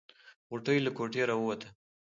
غوټۍ له کوټې راووته.